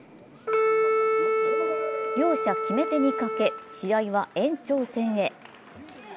両者、決め手に欠け、試合は延長戦へ。